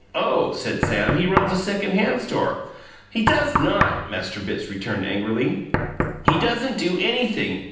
"Oh," said Sam, "he runs a second hand store!" "He does not!" Master Bitts returned angrily. "He doesn't do anything.